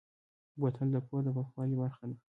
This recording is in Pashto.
بوتل د کور د پاکوالي برخه ده.